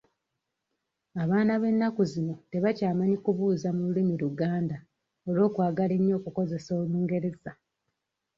Abaana b'ennaku zino tebakyamanyi kubuuza mu lulimi Luganda olw'okwagala ennyo okukozesa Olungereza.